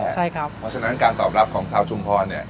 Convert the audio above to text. เพราะฉะนั้นการตอบรับของชาวชุมพรเนี่ย